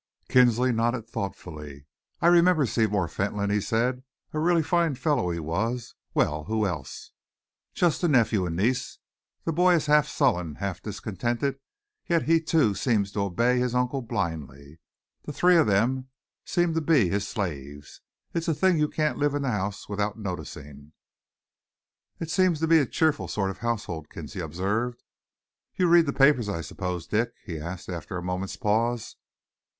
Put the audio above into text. Kinsley nodded thoughtfully. "I remember Seymour Fentolin," he said; "a really fine fellow he was. Well, who else?" "Just the nephew and niece. The boy is half sullen, half discontented, yet he, too, seems to obey his uncle blindly. The three of them seem to be his slaves. It's a thing you can't live in the house without noticing." "It seems to be a cheerful sort of household," Kinsley observed. "You read the papers, I suppose, Dick?" he asked, after a moment's pause.